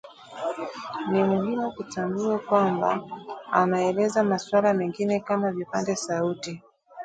ni muhimu kutambua kwamba anaelezea maswala mengine kama vipande sauti